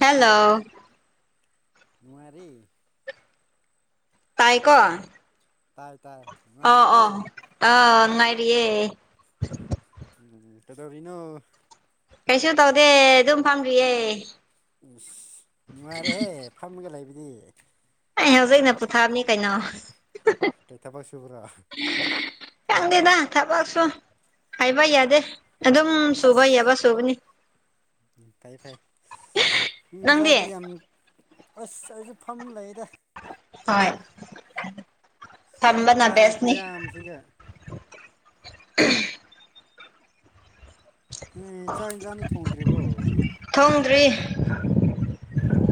Hello ꯅꯨꯡ ꯉꯥꯏꯔꯤ ꯇꯥꯏꯀꯣ ꯇꯥꯏ ꯇꯥꯏ ꯑꯣ ꯑꯣ ꯅꯨꯡꯉꯥꯏꯔꯤꯕꯣ ꯑ ꯅꯨꯉꯥꯏꯔꯤꯌꯦ ꯎꯝ ꯀꯩꯗꯧꯔꯤꯅꯣ ꯀꯩꯁꯨ ꯇꯧꯗꯦ ꯑꯗꯨꯝ ꯐꯝꯔꯤꯌꯦ ꯎꯝꯁ ꯅꯨꯡꯉꯥꯏꯔꯦꯍꯦ ꯐꯝꯃꯒ ꯂꯩꯕꯗꯤ ꯑꯩ ꯍꯧꯖꯤꯛꯅ ꯄꯨꯊꯥꯕꯅꯤ ꯀꯩꯅꯣ ꯀꯩ ꯊꯕꯛ ꯁꯕꯨꯔꯥ ꯈꯪꯗꯦꯗ ꯊꯕꯛꯁꯨ ꯍꯥꯏꯕ ꯌꯥꯗꯦ ꯑꯗꯨꯝ ꯁꯨꯕ ꯑꯁ ꯌꯥꯕ ꯁꯨꯕꯅꯤ ꯅꯪꯗꯤ ꯃꯤꯃꯆꯥꯗꯤ ꯌꯥꯝ ꯑꯁ ꯑꯩꯁꯨ ꯐꯝ ꯂꯩꯗ ꯍꫭꯏ ꯇꯝꯕꯅ ꯀꯥꯡ ꯕꯦꯁꯅꯤ ꯈꯨꯌꯥꯝꯁꯤꯒ [unintelligible] ꯑꯦ ꯆꯥꯛ ꯏꯟꯖꯥꯟꯅꯤ ꯊꯣꯡꯗ꯭ꯔꯤꯕꯣ ꯊꯣꯡꯗ꯭ꯔꯤ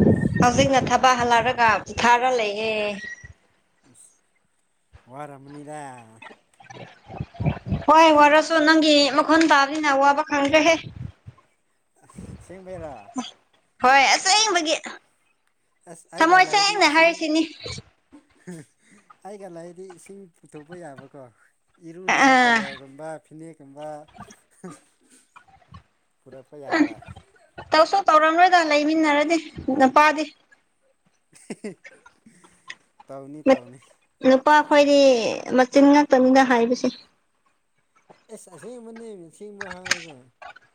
ꯑꯁ ꯍꯧꯖꯤꯛꯅ ꯊꯥ ꯄꯥ ꯍꯜꯂꯛꯔꯒ ꯄꯤꯊꯥꯔ ꯂꯩꯌꯦ ꯋꯥꯔꯝꯃꯅꯤꯗ ꯍꯣꯏ ꯋꯥꯔꯁꯨ ꯅꯪꯒꯤ ꯃꯈꯣꯟ ꯇꯥꯕꯅꯤꯅ ꯋꯥꯕ ꯈꯪꯗ꯭ꯔꯦꯍꯦ ꯑꯁ ꯁꯦꯡꯕꯩꯔꯥ ꯍꯣꯏ ꯑꯁꯦꯡꯕꯒꯤ ꯑꯦꯁ ꯑꯩꯒ ꯊꯃꯣꯏ ꯂꯩꯔꯗꯤ ꯁꯦꯡꯅ ꯏꯁꯤꯡ ꯍꯥꯏꯔꯤꯁꯤꯅꯤ ꯑꯩꯒ ꯂꯩꯔꯗꯤ ꯏꯁꯤꯡ ꯄꯨꯊꯣꯛꯄ ꯌꯥꯕꯀꯣ ꯏꯔꯨꯅꯕ ꯑꯥ ꯇꯧꯋꯦꯜꯒꯨꯝꯕ ꯐꯤꯅꯦꯛꯀꯨꯝꯕ ꯄꯨꯔꯛꯄ ꯌꯥꯕ ꯇꯧꯁꯨ ꯇꯧꯔꯝꯂꯣꯏꯗ ꯂꯩꯃꯤꯟꯅꯔꯗꯤ ꯅꯨꯄꯥꯗꯤ ꯇꯧꯅꯤ ꯇꯧꯅꯤ ꯅꯨꯄꯥꯈꯣꯏꯗꯤ ꯃꯆꯤꯟ ꯉꯥꯛꯇꯅꯤꯅ ꯍꯥꯏꯕꯁꯦ ꯑꯁ ꯑꯁꯦꯡꯕꯅꯦ ꯑꯁꯦꯡꯕ ꯍꯥꯏꯔꯒ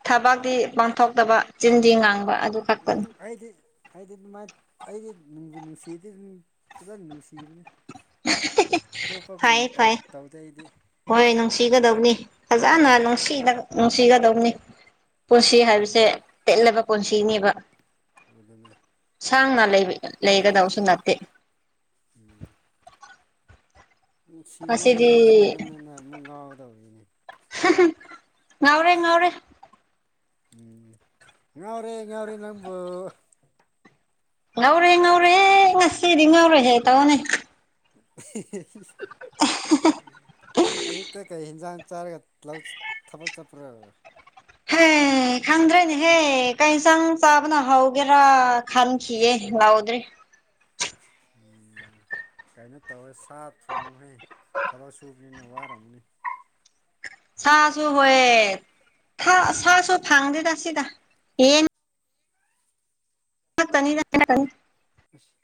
ꯊꯕꯛꯇꯤ ꯄꯥꯡꯊꯣꯛꯇꯕ ꯆꯤꯟꯗꯤ ꯉꯥꯡꯕ ꯑꯗꯨ ꯈꯛꯇꯅꯤ [unintelligible] ꯑꯩꯗꯤ ꯑꯩꯗꯤ ꯑꯗꯨꯃꯥꯏ ꯑꯩꯗꯤ ꯅꯨꯡꯗꯤ ꯅꯨꯡꯁꯤꯗꯤ ꯐꯖꯅ ꯅꯨꯡꯁꯤꯕꯅꯦ ꯑꯇꯣꯞꯄꯒꯨꯝꯅ ꯐꯩꯌꯦ ꯇꯧ ꯐꯩꯌꯦ ꯇꯩꯗꯦ‌ ꯑꯩꯗꯤ ꯍꯣꯏ ꯅꯨꯡꯁꯤꯒꯗꯧꯕꯅꯤ ꯐꯖꯅ ꯅꯨꯡꯁꯤꯅ ꯅꯨꯡꯁꯤꯒꯗꯧꯕꯅꯤ ꯄꯨꯟꯁꯤ ꯍꯥꯏꯕꯁꯦ ꯇꯦꯜꯂꯕ ꯄꯨꯟꯁꯤꯅꯦꯕ ꯑꯗꯨꯅ ꯁꯥꯡꯅ ꯂꯩꯒꯗꯧꯁꯨ ꯅꯠꯇꯦ ꯎꯝ ꯅꯨꯡꯁꯤꯃꯟꯗ ꯉꯁꯤꯗꯤ ꯅꯨꯡꯁꯤꯃꯟꯗꯅ ꯑꯃꯨꯛ ꯉꯥꯎꯗꯧꯔꯤꯅꯦ ꯉꯥꯎꯔꯦ ꯉꯥꯎꯔꯦ ꯎꯝ ꯉꯥꯎꯔꯦ ꯉꯥꯎꯔꯦ ꯅꯪꯕꯨ ꯉꯧꯔꯦ ꯉꯧꯔꯦ ꯉꯁꯤꯗꯤ ꯉꯧꯔꯦ ꯍꯦ ꯇꯧꯅꯦ [inaudible] ꯑꯌꯨꯛꯇ ꯀꯩ ꯍꯦꯟꯖꯥꯡ ꯆꯥꯔꯒ ꯂꯧ ꯊꯕꯛ ꯆꯠꯄꯔꫭ ꯑꯦ ꯈꯪꯗ꯭ꯔꯦꯅꯦꯍꯦ ꯀꯩ ꯏꯟꯁꯥꯡ ꯆꯥꯕꯅ ꯍꯥꯎꯒꯦꯔꯥ ꯈꯟꯈꯤꯒꯦ ꯂꯥꯎꯗ꯭ꯔꯤ ꯎꯝ ꯀꯩꯅꯣ ꯇꯧꯋꯦ ꯁꯥ ꯊꯣꯡꯉꯨꯍꯦ ꯊꯕꯛ ꯁꯨꯕ ꯅꯤꯅ ꯋꯥꯔꯝꯒꯅꯤ ꯁꯥꯁꯨ ꯍꯣꯏꯑꯦ ꯁꯥꯁꯨ ꯐꯪꯗꯦꯗ ꯁꯤꯗ ꯌꯦꯟ ꯉꯥꯛꯇꯅꯤꯗ [unintelligible] ꯑꯁ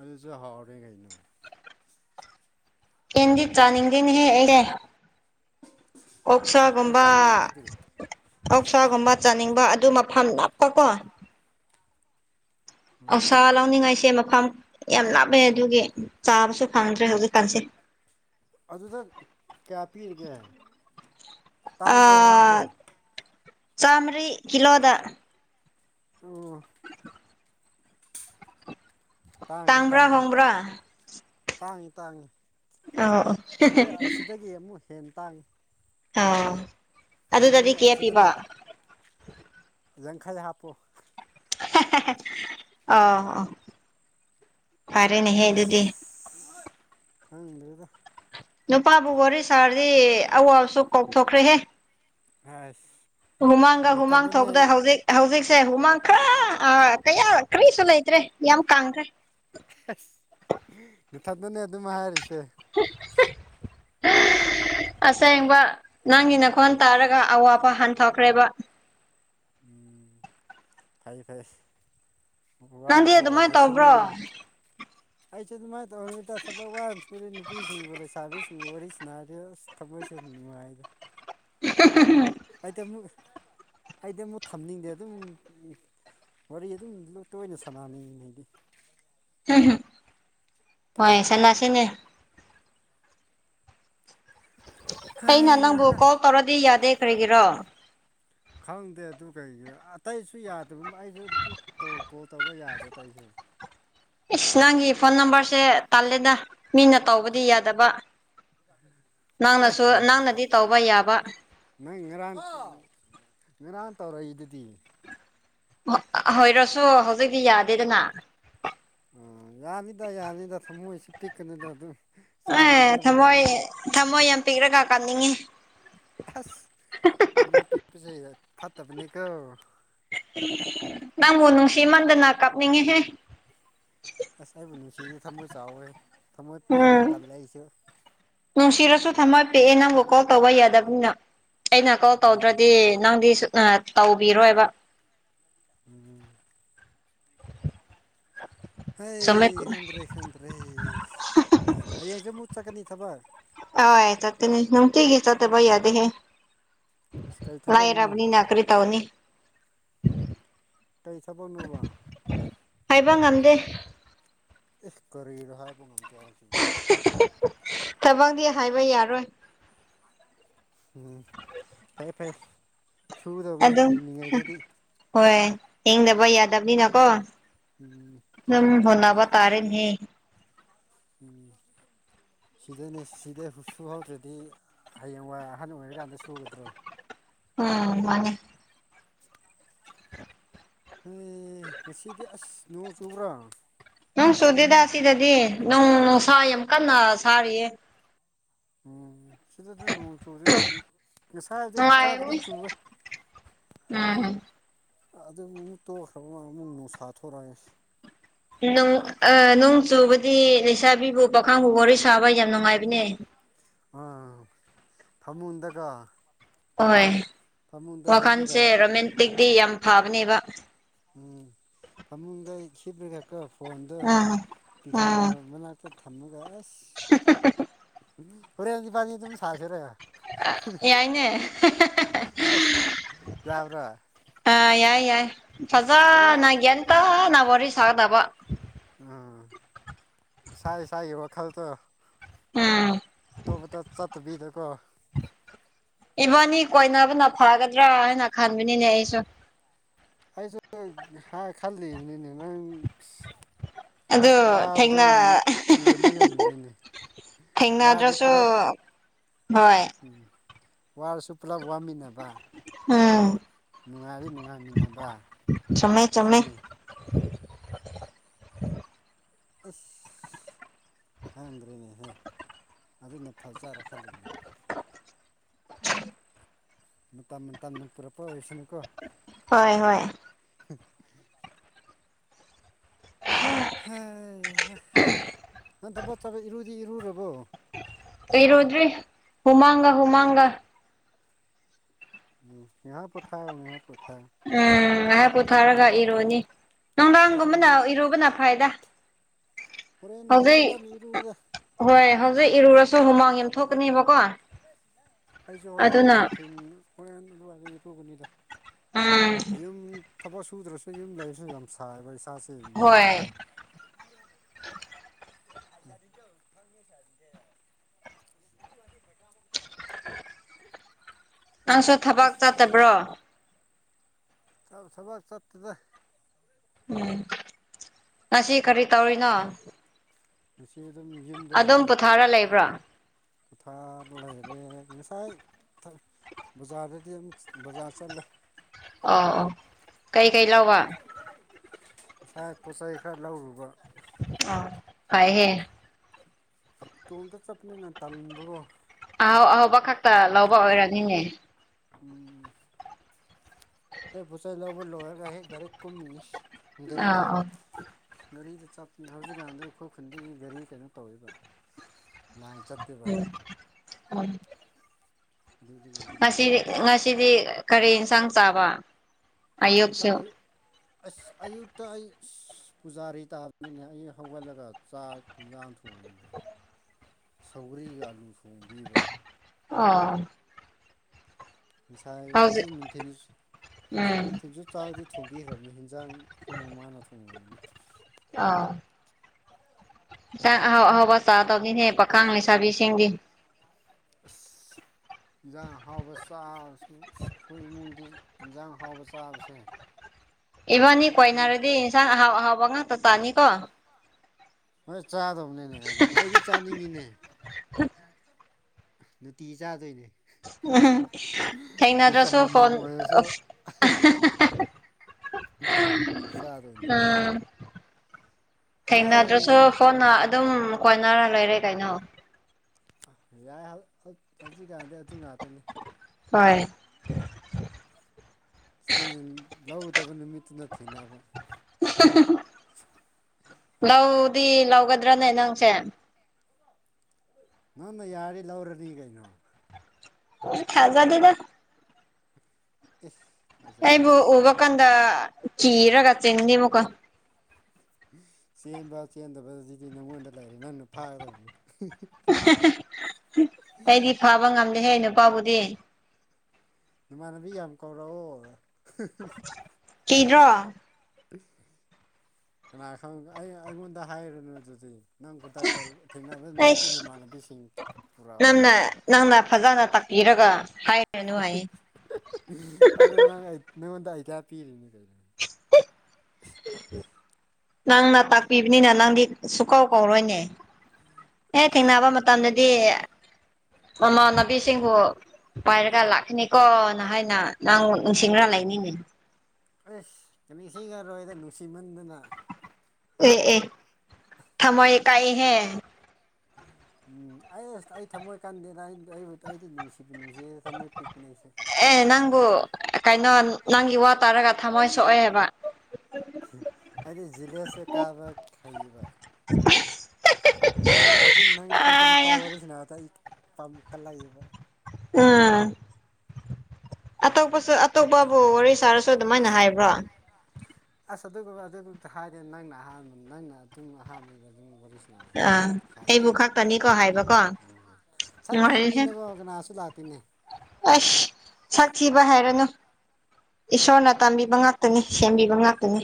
ꯑꯗꯨꯁꯨ ꯍꯥꯎꯔꯦ ꯀꯩꯅꯣ ꯌꯦꯟꯗꯤ ꯆꯥꯅꯤꯡꯗꯦꯅꯦꯍꯦ ꯑꯩꯖꯦ ꯑꯩꯁ ꯀꯩ ꯑꯣꯛꯁꯥꯒꯨꯝꯕ ꯆꯥꯅꯤꯡꯕ ꯑꯗꯨꯗꯤ ꯑꫭꯛꯁꯥꯒꯨꯝꯕ ꯆꯥꯅꯤꯡꯕ ꯑꯗꯨ ꯃꯐꯝ ꯂꯥꯞꯄ ꯀꯣ ꯎꯝ ꯑꫭꯛꯁꯥ ꯂꯧꯅꯤꯡꯉꯥꯏꯁꯦ ꯃꯐꯝ ꯌꯥꯝ ꯂꯥꯞꯄꯦ ꯑꯗꯨꯒꯤ ꯆꯥꯕꯁꯨ ꯐꯪꯗ꯭ꯔꯦ ꯍꯧꯖꯤꯛꯀꯥꯟꯁꯦ ꯑꯗꯨꯗ ꯀꯌꯥ ꯄꯤꯔꯤꯒꯦ ꯇꯥꯡꯕ꯭ꯔꯣ ꯑꯥ ꯍꯣꯡꯕ꯭ꯔꯣ ꯆꯥꯃꯔꯤ ꯀꯤꯂꯣꯗ꯫ ꯑꫭ ꯇꯥꯡꯉꯤ ꯇꯥꯡꯕ꯭ꯔꯥ ꯇꯥꯡꯉꯤ ꯍꯣꯡꯕ꯭ꯔꯥ ꯇꯥꯡꯉꯤ ꯇꯥꯡꯉꯤ꯫ ꯑꯣ ꯑꯁꯤꯗ ꯑꯁꯤꯗꯒꯤ ꯑꯃꯨꯛ ꯍꯦꯟꯅ ꯇꯥꯡꯉꯤ꯫ ꯑꯥ ꯁꯤꯗ ꯑꯗꯨꯗꯗꯤ ꯀꯦꯌꯥ ꯄꯤꯕ꯫ ꯑꯁꯤꯗꯅ ꯌꯥꯡꯈꯩ ꯍꯥꯞꯄꯨ꯫ ꯑꯣ ꯑꯣ ꯐꯔꯦꯅꯦꯍ‌ꯦ꯫ ꯢꯁ ꯈꯪꯗ꯭ꯔꯦꯗ꯫ ꯅꯨꯄꯥꯕꯨ ꯋꯥꯔꯤ ꯁꯥꯔꯗꯤ ꯑꯋꯥꯕꯁꯨ ꯀꯥꯎꯊꯣꯛꯈ꯭ꯔꯦꯍꯦ꯫ ꯑꯁ꯫ ꯍꯨꯃꯥꯡꯒ ꯍꯨꯃꯥꯡ ꯅꯊꯟꯗꯅꯦ ꯊꯣꯛꯕꯗ ꯍꯧꯖꯤꯛ꯫ ꯍꯧꯖꯤꯛꯁꯦ ꯍꯨꯃꯥꯡ ꯈꯔ ꯑꯥ ꯀꯌꯥ ꯀ꯭ꯔꯤꯁꯨ ꯂꯩꯇ꯭ꯔꯦ ꯌꯥꯝ ꯀꯥꯡꯈ꯭ꯔꯦ꯫ ꯑꯁ ꯅꯊꯟꯇꯅꯦ ꯑꯗꯨꯝ ꯍꯥꯏꯔꯤꯁꯦ꯫ ꯑꯁꯦꯡꯕ ꯅꯪꯒꯤ ꯅꯈꯣꯟ ꯇꯥꯔꯒ ꯑꯋꯥꯕ ꯍꯟꯊꫭꯛꯈ꯭ꯔꯦꯕ꯫ ꯎꯝ ꯐꯩ ꯐꯩ꯫ ꯅꯪꯗꯤ ꯋꯥꯗꯕ ꯑꯗꯨꯃꯥꯏꯅ ꯑꯣꯏꯔꯁꯨꯅ꯫ ꯇꯧꯕ꯭ꯔꯣ ꯑꯩꯁꯨ ꯑꯗꯨꯃꯥꯏꯅ ꯇꯧꯔꯃꯤꯗ ꯊꯕꯛ ꯋꯥꯅ ꯁꯨꯔꯦ ꯅꯨꯄꯤꯁꯤꯡꯕꯨ ꯂꯩꯁꯥꯕꯤꯁꯤꯡꯕꯨ ꯋꯥꯔꯤ ꯁꯥꯟꯅꯔꯤ ꯑꯁ꯫ ꯊꯛꯃꯣꯏꯁ‌ꯦ ꯅꯨꯡꯉꯥꯏꯗ ꯍꯥꯏꯗꯤ ꯑꯃꯨꯛ꯫ ꯑꯩꯗꯤ ꯑꯃꯨꯛ ꯊꯝꯅꯤꯡꯗꯦ ꯑꯗꯨꯝ ꯋꯥꯔꯤ ꯑꯗꯨꯝ ꯇꯣꯏꯅ ꯁꯥꯟꯅꯅꯤꯡꯉꯤ ꯑꯩꯗꯤ꯫ ꯍꯣꯏ ꯁꯥꯟꯅꯁꯤꯅꯦ꯫ ꯑꯩꯅ ꯅꯪꯕꯨ ꯍꯩꯍꯥ ꯀꯣꯜ ꯇꯧꯔꯗꯤ ꯌꯥꯗꯦ ꯀꯔꯤꯒꯤꯔꯣ꯫ ꯈꯪꯗꯦ ꯑꯗꯨ ꯀꯩꯒꯤꯔ ꯑꯇꯩꯁꯨ ꯌꯥꯗꯕ ꯑꯩꯁꯨ ꯫ ꯇꯧ ꯀꯣꯜ ꯇꯧꯕ ꯌꯥꯗ ꯇꯧꯁꯨꯌꯨ꯫ ꯏꯁ ꯅꯪꯒꯤ ꯐꯣꯟ ꯅꯝꯕꯔꯁꯦ ꯇꯥꯜꯂꯦꯗ ꯃꯤꯅ꯫ ꯇꯧꯕꯗꯤ ꯌꯥꯗꯕ ꯑꯩ ꯅꯪꯅꯁꯨ ꯅꯪꯅꯗꯤ ꯇꯧꯕ ꯌꯥꯕ꯫ ꯅꯪ ꯉꯔꯥꯡ ꯉꯔꯥꯡ ꯇꯧꯔꯛꯏꯗꯨꯗꯤ꯫ ꯍꫭꯏꯔꯁꯨ ꯍꯧꯖꯤꯛꯇꯤ ꯌꯥꯗꯦꯗꯅ꯫ ꯑꯥ ꯌꯥꯅꯤꯗ ꯌꯥꯅꯤꯗ ꯊꯃꯣꯏꯁꯨ ꯄꯤꯛꯀꯅꯨꯗ ꯑꯗꯨꯝ꯫ ꯆꯥꯎꯅ ꯑꯦ ꯂꯦꯞꯄ ꯊꯝꯃꯣꯏ ꯂꯩꯌꯨꯗ ꯊꯝꯃꯣꯏ ꯌꯥꯝ ꯄꯤꯛꯔꯒ ꯀꯞꯅꯤꯡꯉ‌ꯦ꯫ ꯑꯁ ꯊꯝꯃꯣꯏ ꯄꯤꯛꯄꯁꯦ ꯐꯠꯇꯕꯅꯤꯀꯣ꯫ ꯅꯪꯕꯨ ꯅꯨꯡꯁꯤ ꯃꯟꯗꯅ ꯀꯥꯞꯅꯤꯡꯉꯦꯍ‌ꯦ꯫ ꯑꯁ ꯑꯩꯕꯨ ꯅꯨꯡꯁꯤꯗꯤ ꯊꯃꯣꯏ ꯆꯥꯎꯋꯦ ꯊꯃꯣꯏ ꯄꯤꯗꯤ ꯎꯝ ꯇꯜꯂ‌ꯦ ꯑꯩꯁꯨ꯫ ꯅꯨꯡꯁꯤꯔꯁꯨ ꯊꯝꯃꫭꯏ ꯄꯤꯛꯑꯦ ꯅꯪꯕꯨ ꯀꯣꯜ ꯇꯧꯕ ꯌꯥꯗꯕꯅꯤꯅ꯫ ꯑꯩꯅ ꯀꯣꯜ ꯎꯝ ꯇꯧꯗ꯭ꯔꯗꯤ ꯅꯪꯗꯤ ꯁꯨꯅ ꯇꯧꯕꯤꯔꯣꯏꯕ꯫ ꯎꯝ ꯆꯨꯝꯃꯦ ꯍꯩ ꯈꯪꯗ꯭ꯔꯦ꯫ ꯈꯪꯗ꯭ꯔꯦ ꯍꯌꯦꯡꯁꯨ ꯃꯨꯛ ꯆꯠꯀꯅꯤ ꯊꯕꯛ꯫ ꯑꯥꯍꫭꯏ ꯆꯠꯀꯅꯤ ꯅꯨꯡꯊꯤꯒꯤ ꯆꯠꯇꯕ ꯌꯥꯗꯦꯍꯦ꯫ ꯑꯁ ꯀꯩ ꯊꯕꯛꯅꯣꯅꯦ ꯂꯥꯏꯔꯕꯅꯤꯅ ꯀꯔꯤ ꯇꯧꯅꯤ꯫ ꯀꯩ ꯊꯕꯛꯅꫭꯕ꯫ ꯍꯥꯏꯕ ꯉꯝꯗꯦ ꯢꯁ ꯀꯔꯤꯔ ꯍꯥꯏꯕ ꯉꯝꯗꯦ ꯍꯥꯏꯁꯤꯕꯨ꯫ ꯊꯕꯛꯗꯤ ꯍꯥꯏꯕ ꯌꯥꯔꯣꯏ꯫ ꯎꯝ ꯐꯩꯌꯦ ꯐꯩꯌꯦ꯫ ꯑꯗꯨꯝ ꯍꯣꯏ ꯍꯤꯡꯗꯕ ꯌꯥꯗꯝꯅꯤꯅꯀꯣ꯫ ꯎꯝ꯫ ꯗꯨꯝ ꯍꫭꯠꯅꯕ ꯇꯥꯔ‌ꯦꯅꯦꯍ‌ꯦ꯫ ꯎꯝ꯫ ꯁꯤꯗꯅꯦ ꯁꯤꯗ ꯁꯨꯍꯧꯗ꯭ꯔꯗꯤ ꯍꯌꯦꯡꯋꯥꯏ ꯑꯍꯟ ꯑꯣꯏꯔꯀꯥꯟꯗ ꯁꯨꯒꯗ꯭ꯔꯣ꯫ ꯎꯝ ꯃꯥꯅꯦ꯫ [unintelligible] [inaudible] ꯍꯩ ꯉꯁꯤꯗꯤ ꯑꯁ ꯅꯣꯡ ꯆꯨꯕ꯭ꯔꯣ? ꯅꯣꯡ ꯆꯨꯗꯦꯗ ꯁꯤꯗꯗꯤ ꯅꯣꯡ ꯅꯨꯡꯁꯥ ꯌꯥꯝ ꯀꯟꯅ ꯁꯥꯔꯤꯌꯦ꯫ ꯎꯝ ꯁꯤꯗꯁꯨ ꯅꯣꯡ ꯆꯨꯗꯦ ꯍꯖꯤꯛ ꯉꯁꯥꯏꯗꯤ ꯈꯔꯕꯨꯗꯤ ꯅꯨꯡꯉꯥꯏꯔꯝꯅꯤ ꯆꯨꯨꯋꯦ꯫ ꯎꯝ ꯑꯗꯨ ꯃꯨ ꯃꯨꯛ ꯇꯣꯛꯈ꯭ꯔꯕ ꯃꯨꯛ ꯅꯨꯡꯁꯥ ꯊꯣꯛꯔꯥꯏꯁ ꯅꯨꯡ ꯑꯥ ꯅꯣꯡ ꯆꯨꯕꯗꯤ ꯂꯩꯁꯥꯕꯤꯕꯨ ꯄꯥꯈꯥꯡꯕꯨ ꯋꯥꯔꯤ ꯁꯥꯕ ꯌꯥꯝ ꯅꯨꯡꯉꯥꯏꯕꯅꯦ ꯑꯥ ꯐꯃꯨꯡꯗꯒ ꯍꯣꯏ ꯐꯃꯨꯡꯗ ꯍꯤꯞꯔꯒ ꯋꯥꯈꯟꯁꯦ ꯔꯣꯃꯦꯟꯇꯤꯛꯇꯤ ꯌꯥꯝ ꯐꯥꯕꯅꯦꯕ ꯎꯝ ꯐꯃꯨꯡꯗ ꯍꯤꯞꯔꯒꯀꯣ ꯐꯣꯟꯗꯣ ꯑꯥ ꯄꯤꯂꯣ ꯑꯥ ꯃꯅꯥꯛ ꯇꯥꯊꯝꯃꯒ ꯑꯁ ꯍꯣꯔꯦꯟ ꯏꯕꯥꯅꯤ ꯑꯗꯨꯝ ꯁꯥꯁꯦꯔꯥ? [unintelligible] ꯌꯥꯏꯅꯦ ꯑꯁ ꯌꯥꯕ꯭ꯔꯥ? ꯑꯥ ꯌꯥꯏ ꯌꯥꯏ ꯍꯣꯔꯦꯟ ꯐꯖꯟꯅ ꯒꯌ꯭ꯥꯟ ꯇꯥꯅ ꯋꯥꯔꯤꯁꯥꯒꯗꯕ ꯎꯝ ꯏꯁꯥ ꯏꯁꯥꯒꯤ ꯋꯥꯈꯜꯇꯣ ꯎꯝ ꯑꯇꯣꯞꯄꯇ ꯆꯠꯇꯕꯤꯗꯀꯣ ꯏꯕꯟꯅꯤ ꯀꯣꯏꯅꯕꯅ ꯐꯥꯒꯗ꯭ꯔꯥ ꯍꯥꯏꯅ ꯈꯟꯕꯅꯤꯅꯦ ꯑꯩꯁꯨ ꯑꯩꯁꯨ ꯍꯥꯏ ꯈꯜꯂꯤꯕꯅꯤꯅꯦ ꯅꯪꯁ ꯑꯗꯨ ꯊꯦꯡꯅ ꯌꯦꯡꯕ [unintelligible] ꯉꯝꯗ꯭ꯔꯤꯅꯦ ꯋꯥꯔꯗꯤ ꯊꯦꯡꯅꯗ꯭ꯔꯁꯨ ꯄꯨꯂꯞ ꯍꯣꯏ ꯋꯥꯔꯁꯨ ꯄꯨꯂꯞ ꯋꯥꯃꯤꯟꯅꯕ ꯕꯥ ꯎꯝ ꯅꯨꯡꯉꯥꯏꯔꯗꯤ ꯅꯨꯡꯉꯥꯏ ꯃꯤꯟꯅꯕ ꯆꯨꯝꯃꯦ ꯆꯨꯝꯃꯦ ꯁꯤꯅꯤ ꯑꯁ ꯈꯪꯗ꯭ꯔꯦꯅꯦꯍꯦ ꯑꯗꯨꯅ ꯐꯖꯥꯔꯥ ꯈꯜꯂꯤꯕꯅꯤꯅꯦ ꯃꯇꯝ ꯃꯇꯝꯅ ꯄꯨꯔꯛꯄ ꯑꯣꯏꯁꯅꯨꯀꯣ ꯍꯣꯏ ꯍꯣꯏ [unintelligible] ꯍꯥꯏꯍꯥ ꯅꯪ ꯊꯕꯛ ꯆꯠꯕ ꯏꯔꯨꯗꯤ ꯏꯔꯨꯔꯕꯣ? ꯏꯔꯨꯗ꯭ꯔꯤ ꯍꯨꯃꯥꯡꯒ ꯍꯨꯃꯥꯡꯒ ꯎꯝ ꯉꯥꯏꯍꯥꯛ ꯄꯣꯊꯥꯎ ꯉꯥꯏꯍꯥꯛ ꯄꯣꯊꯥꯎ ꯎꯝ ꯉꯥꯏꯍꯥꯛ ꯄꯨꯊꯥꯔꯒ ꯏꯔꯨꯅꯤ, ꯑꯩꯁꯨ ꯅꯨꯡꯗꯥꯡꯒꯨꯝꯕꯅ ꯏꯔꯨ ꯏꯔꯨꯕꯅ ꯐꯩꯗ ꯍꯣꯔꯦꯟ ꯍꯧꯔꯦꯟ ꯍꯧꯖꯤꯛ ꯇꯞꯅ ꯏꯔꯨꯎꯗꯥ ꯍꯣꯏ ꯍꯧꯖꯤꯛ ꯏꯔꯨꯔꯁꯨ ꯍꯨꯃꯥꯡ ꯌꯥꯝ ꯊꯣꯛꯀꯅꯤꯕꯀꯣ ꯑꯩꯖꯨ ꯍꯧꯔꯦꯟ ꯅꯨꯡꯊꯤꯟ ꯍꯣꯔꯦꯟ ꯑꯗꯨꯋꯥꯏꯗ ꯏꯔꯨꯒꯅꯤꯗꯥ꯫ ꯎꯝ ꯌꯨꯝ ꯊꯕꯛ ꯁꯨꯗ꯭ꯔꯁꯨ ꯌꯨꯝ ꯂꯩꯕꯁꯦ ꯌꯥꯝ ꯁꯥꯏꯌꯦꯕ ꯏꯁꯥꯁꯦ ꯅꯨꯡꯉꯥꯏꯇꯦꯕ ꯍꯣꯏ [unintelligible] ꯅꯪꯁꯨ ꯊꯕꯛ ꯑꯁ ꯆꯠꯇꯥꯕ꯭ꯔꯣ? ꯊꯧ ꯊꯕꯛ ꯆꯠꯇꯦꯗꯥ ꯎꯝ ꯉꯁꯤ ꯀꯔꯤ ꯇꯧꯔꯤꯅꯣ? ꯉꯁꯤ ꯑꯗꯨꯝ ꯌꯨꯝꯗ ꯂꯩꯗꯥ꯫ ꯕꯥꯔꯥ ꯂꯩꯕ꯭ꯔꯥ? ꯃꯊꯥꯗꯣ ꯂꯩꯔꯦ ꯉꯁꯥꯏ [unintelligible] ꯕꯖꯥꯔꯗꯗꯤ ꯎꯝ ꯕꯖꯥꯔ ꯆꯠꯂꯦ ꯑꯣ ꯑꯣ ꯀꯩꯀꯩ ꯂꯧꯕ? ꯉꯁꯥꯏ ꯄꯣꯠꯆꯩ ꯈꯔ ꯂꯧꯔꯨꯕ ꯑꯣ ꯐꯩꯍꯦ꯫ ꯇꯣꯝꯇ ꯆꯠꯄꯅꯤꯅ ꯇꯟꯕꯒꯣ꯫ ꯑꯍꯥꯎ ꯑꯍꯥꯎꯕ ꯈꯛꯇ ꯂꯧꯕ ꯑꯣꯏꯔꯝꯅꯤꯅꯦ꯫ ꯎꯝ ꯍꯦꯛ ꯄꯣꯠꯆꯩ ꯂꯧꯕ ꯂꯣꯏꯔꯒ ꯍꯦꯛ ꯗꯥꯏꯔꯦꯛ ꯀꯨꯝ ꯃꯤꯅꯤ꯫ ꯑꯥ ꯒꯥꯔꯤꯗ ꯑꯥ ꯒꯥꯔꯤꯗ ꯆꯠꯄ ꯍꯧꯖꯤꯛꯀꯥꯟꯗ ꯑꯩꯈꯣꯏ ꯈꯨꯟꯗꯒꯤ ꯒꯥꯔꯤ ꯀꯩꯅꯣ ꯇꯧꯋꯦꯕ꯫ ꯂꯥꯏꯟ ꯆꯠꯇꯦꯕ ꯎꯝ ꯎꯝ ꯑꯗꯨꯗꯨꯒꯤꯅꯦ ꯉꯁꯤꯗꯤ ꯉꯁꯤꯗꯤ ꯀꯔꯤ ꯌꯦꯟꯁꯥꯡ ꯆꯥꯕ? ꯑꯌꯨꯛꯁꯨ ꯉꯁꯥꯏ ꯑꯁ ꯑꯌꯨꯛꯇ ꯑꯩ, ꯄꯨꯖꯥꯔꯤ ꯇꯥꯕꯅꯤꯅꯦ ꯑꯩ ꯍꯧꯒꯠꯂꯒ ꯆꯥꯛ ꯌꯦꯟꯖꯥꯡ ꯊꯣꯡꯉꯤꯅꯦ꯫ ꯁꯧꯒ꯭ꯔꯤꯒ ꯑꯥꯂꯨ ꯊꯣꯡꯕꯤꯕ꯫ ꯑꯣ꯫ ꯉꯁꯥꯏ ꯍꯧꯖꯤꯛ ꯅꯨꯡꯊꯤꯟ ꯍꯧꯖꯤꯛ ꯎꯝ ꯅꯨꯡꯊꯤꯟꯖꯨ ꯆꯥꯛꯗꯤ ꯊꯣꯡꯕꯤꯈ꯭ꯔꯕꯅꯤ ꯍꯟꯖꯥꯡ ꯈꯣꯏ ꯃꯃꯥꯅ ꯊꯣꯡꯔꯝꯃꯅꯤ꯫ ꯑꯥ꯫ ꯆꯥꯛ ꯑꯍꯥꯎꯕ ꯑꯍꯥꯎꯕ ꯆꯥꯗꯧꯅꯤꯅꯦ ꯄꯥꯈꯥꯡ ꯂꯩꯁꯥꯕꯤꯁꯤꯡꯗꯤ꯫ ꯑꯁ꯫ ꯏꯟꯖꯥꯡ ꯍꯥꯎꯕ ꯆꯥꯔꯁꯨ ꯈꯣꯏ ꯏꯃꯨꯡꯗꯤ ꯏꯟꯖꯥꯡ ꯍꯥꯎꯕ ꯆꯥꯕꯁꯦ, ꯏꯕꯅꯤ ꯑꯗꯨꯝ ꯀꯣꯏꯅꯥꯔꯗꯤ ꯏꯟꯁꯥꯡ ꯍꯥꯎ ꯍꯥꯎꯕ ꯉꯛꯇꯥ ꯆꯥꯅꯤ ꯀꯣ꯫ ꯍꯣꯏ ꯆꯥꯗꯧꯅꯤꯅꯦ ꯀꯩꯅꯣ ꯑꯩꯗꯤ ꯆꯥꯅꯤꯡꯉꯤꯅꯦ꯫ ꯅꯨꯇꯤ ꯆꯥꯗꯣꯏꯅꯦ꯫ ꯎꯝ ꯄꯤꯁ ꯊꯦꯡꯅꯔꯁꯨ ꯑꯃꯃꯝ ꯐꯣꯟ, ꯑꯣꯏꯔꯁꯨ ꯆꯥꯗꯣꯏꯅꯤ [unintelligible] ꯎꯝ꯫ ꯊꯦꯡꯅꯗ꯭ꯔꯁꯨ ꯍꯥꯏ ꯐꯣꯟꯅ ꯑꯗꯨꯝ ꯀꯣꯏꯅꯔ ꯂꯩꯔꯦ ꯀꯩꯅꯣ꯫ ꯌꯥꯏ ꯍꯧꯖꯤꯛꯀꯥꯟꯗꯤ ꯑꯗꯨ ꯉꯥꯛꯇꯅꯤ꯫ ꯍꯣꯏ꯫ ꯂꯧꯒꯗꯕ ꯅꯨꯃꯤꯠꯇꯨꯅ ꯊꯦꯡꯅꯕ꯫ ꯂꯧꯗꯤ ꯂꯧꯒꯗ꯭ꯔꯥꯅꯦ ꯅꯪꯁꯦ꯫ ꯅꯪꯅ ꯌꯥꯔꯗꯤ ꯂꯧꯔꯅꯤ ꯀꯩꯅꯣ꯫ ꯊꯖꯗꯦꯗ꯫ [unintelligible] ꯑꯩꯏꯕꯨ ꯍꯥꯏ ꯎꯕ ꯀꯟꯗ ꯀꯤꯔꯒ ꯆꯦꯟꯅꯤ ꯑꯃꯨꯛꯀ꯫ ꯆꯦꯟꯕ ꯆꯦꯟꯗꯕꯁꯤꯗꯤ ꯅꯪꯉꯣꯟꯗ ꯂꯩꯔꯦ ꯅꯪꯅ ꯐꯥꯒꯗꯕꯅꯤ꯫ ꯑꯩꯗꯤ ꯐꯕ ꯉꯝꯗꯦꯍꯦ ꯅꯨꯄꯥꯕꯨꯗꯤ꯫ ꯅꯃꯥꯟꯅꯕꯤ ꯌꯥꯝ ꯀꯧꯔꯛꯑꯣ꯫ ꯀꯤꯗ꯭ꯔꯣ? ꯀꯅꯥ ꯈꯪ ꯑꯩ ꯑꯩꯉꯣꯟꯗ ꯍꯥꯏꯔꯨꯅꯨ ꯑꯗꯨꯗꯤ꯫ ꯅꯪ ꯈꯨꯗꯥꯇ ꯊꯦꯡꯅꯕ ꯅꯨꯃꯤꯠꯇꯨ ꯑꯩꯁ ꯅꯃꯥꯟꯅꯕꯤꯁꯤꯡ ꯄꯨꯔꯛꯑꯣ꯫ ꯅꯪꯅ ꯅꯪꯅ ꯐꯖꯅ ꯇꯥꯛꯄꯤꯔꯒ ꯍꯥꯏꯔꯅꯨ ꯍꯥꯏꯌꯦ [unintelligible] ꯅꯉꯣꯟꯗ ꯑꯥꯏꯗꯤꯌꯥ ꯄꯤꯔꯤꯅꯤ ꯀꯩꯅꯣ꯫ ꯅꯪꯅ ꯇꯥꯛꯄꯤꯕꯅꯤꯅ ꯅꯪꯗꯤ ꯁꯨꯀꯥꯎ ꯀꯧꯔꯣꯏꯅꯦ꯫ ꯑꯦ ꯊꯦꯡꯅꯕ ꯃꯇꯝꯗꯗꯤ ꯃꯃꯥꯟꯅꯕꯤꯁꯤꯡꯕꯨ, ꯄꯥꯏꯔꯒ ꯂꯥꯛꯀꯅꯤꯀꯣꯅ ꯍꯥꯏꯅ ꯅꯪ ꯅꯤꯡꯁꯤꯡꯔ ꯂꯩꯅꯤꯅꯦ꯫ ꯑꯁ ꯅꯤꯡꯁꯤꯡ ꯉꯔꯣꯏꯗ ꯅꯨꯡꯁꯤꯃꯟꯗꯅ꯫ ꯑꯦ ꯑꯦ ꯊꯃꯣꯏ ꯀꯥꯏ ꯍꯦ꯫ [inaudible] ꯎꯝ ꯑꯩ ꯑꯁ ꯑꯩ ꯊꯝꯃꯣꯏ ꯀꯥꯟꯗꯦꯗ ꯑꯩꯕꯨ ꯑꯩꯗꯤ ꯅꯨꯡꯁꯤꯕꯩ ꯅꯨꯡꯁꯤꯌꯦ ꯊꯝꯃꯣꯏ ꯄꯤꯛꯄꯅꯦ ꯑꯩꯁꯦ ꯑꯦ ꯅꯪꯕꯨ ꯀꯩꯅꯣ ꯅꯪꯒꯤ ꯋꯥ ꯇꯥꯔꯒ ꯊꯝꯃꯣꯏ ꯁꯣꯛꯑꯦꯕ ꯑꯩꯗꯤ ꯖꯤꯂꯦꯁꯦ ꯀꯥꯗ ꯈꯩꯕ ꯅꯪ ꯍꯧꯖꯤꯛ ꯅꯪ ꯑꯇꯣꯞꯄ ꯅꯨꯄꯥ ꯑꯌꯥ ꯋꯥꯔꯤ ꯁꯥꯟꯅꯕꯗ ꯑꯩ ꯄꯝ ꯀꯜꯂꯛꯏꯕ ꯑ ꯑꯇꯣꯞꯄꯁꯨ ꯑꯇꯣꯞꯄꯕꯨ ꯋꯥꯔꯤ ꯁꯥꯔ ꯇꯨ ꯑꯗꯨꯃꯥꯏꯅ ꯍꯥꯏꯕ꯭ꯔꯣ ꯑꯁ ꯑꯗꯨ [unintelligible] ꯅꯪꯅ ꯑꯍꯥꯟ ꯅꯪꯅ ꯑꯗꯨꯝ [unintelligible] ꯋꯥꯔꯤ ꯁꯥꯟꯅꯔꯁꯦ ꯑ ꯑꯩꯕꯨ ꯈꯥꯛꯛꯇꯅꯤꯀꯣ ꯍꯥꯏꯕ ꯁꯛ ꯊꯤꯕꯅꯤꯅꯀꯣ ꯀꯅꯥꯁꯨ ꯂꯥꯛꯇꯦꯅꯦ ꯑꯁ ꯁꯛ ꯊꯤꯕ ꯍꯥꯏꯔꯅꯨ ꯏꯁꯣꯔꯅ ꯇꯝꯕꯤꯕ ꯉꯥꯛ ꯇꯅꯤ ꯁꯦꯝꯕꯤꯕ ꯉꯥꯛꯇꯅꯤ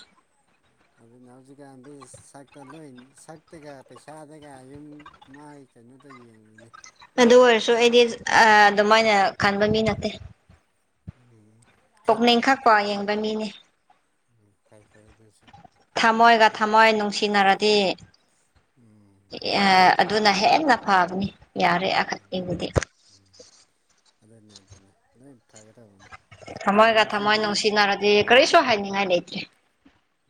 ꯑꯗꯨꯅ ꯍꯧꯖꯤꯛꯀꯥꯟꯗꯤ ꯁꯛꯇ ꯂꯣꯏ ꯁꯛꯇꯒ ꯄꯩꯁꯥꯗꯒ ꯌꯨꯝ ꯃꯥꯏ ꯀꯩꯅꯣꯗ ꯌꯦꯡꯉꯅꯤ ꯑꯗꯨ ꯑꯣꯏꯔꯁꯨ ꯑꯩꯗꯤ ꯑ ꯑꯗꯨꯃꯥꯏꯅ ꯈꯟꯕ ꯃꯤ ꯅꯠꯇꯦ ꯎꯝ ꯈꯟꯗ꯭ꯔꯗꯤ ꯇꯣꯅꯤꯡꯈꯛꯀꯣ ꯐꯩ ꯌꯦꯡꯕ ꯃꯤꯅꯦ ꯎꯝ ꯐꯩ ꯐꯩ ꯑꯗꯨꯁꯨ ꯊꯝꯃꯣꯏꯒ ꯑꯗꯨ ꯊꯝꯃꯣꯏ ꯅꯨꯡꯁꯤꯅꯔꯗꯤ ꯎꯝ ꯑ ꯑꯗꯨꯅ ꯍꯦꯟꯅ ꯐꯕꯅꯤ ꯌꯥꯔꯦ ꯑꯈꯛ ꯏꯕꯨꯗꯤ ꯎꯝ ꯑꯗꯨꯅꯦ ꯑꯗꯨꯅ ꯂꯣꯏ ꯐꯥꯒꯦ ꯇꯧꯕꯅꯤ ꯊꯝꯃꯣꯏꯒ ꯊꯝꯃꯣꯏ ꯅꯨꯡꯁꯤꯅꯔꯗꯤ ꯀꯔꯤꯁꯨ ꯍꯥꯏꯅꯤꯡꯉꯥꯏ ꯂꯩꯇꯦ